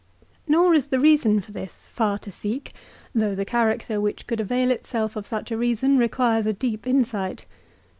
Nor is the reason for this far to seek, though the character which could avail itself of such a reason requires a deep insight.